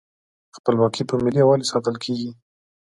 خپلواکي په ملي یووالي ساتل کیږي.